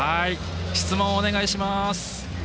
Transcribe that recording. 質問お願いします。